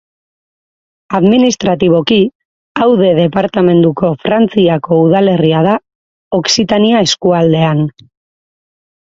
Administratiboki Aude departamenduko Frantziako udalerria da, Okzitania eskualdean.